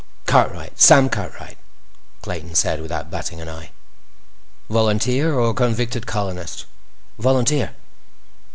"Cartwright. Sam Cartwright," Clayton said without batting an eye. "Volunteer or convicted colonist?" "Volunteer."